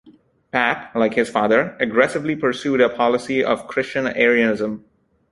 Pap, like his father, aggressively pursued a policy of Christian Arianism.